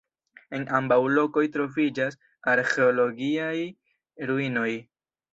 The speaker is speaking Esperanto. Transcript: En ambaŭ lokoj troviĝas arĥeologiaj ruinoj.